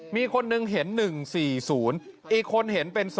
มีคนหนึ่งเห็น๑๔๐อีกคนเห็นเป็น๒